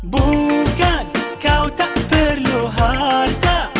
bukan kau tak perlu harta